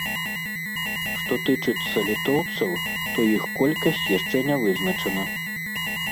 Што тычыцца літоўцаў, то іх колькасць яшчэ не вызначана.